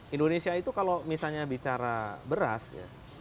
indonesia itu kalau misalnya bicara beras ya